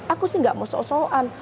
aku sih nggak mau sok sokan